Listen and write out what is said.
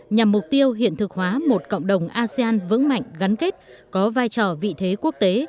nhằm mục tiêu hiện thực hóa một cộng đồng asean vững mạnh gắn kết có vai trò vị thế quốc tế